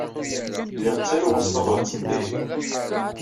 Lliɣ ttaruɣ-as tabrat n tayri.